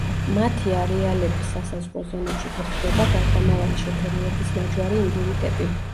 მათი არეალების სასაზღვრო ზონებში გვხვდება გარდამავალი შეფერილობის ნაჯვარი ინდივიდები.